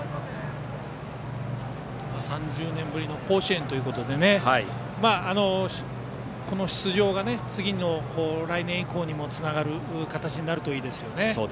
３０年ぶりの甲子園ということでこの出場が次の来年以降にもつながる形になるといいですね。